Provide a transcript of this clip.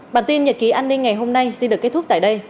bản tin nhật ký an ninh ngày hôm nay xin được kết thúc tại đây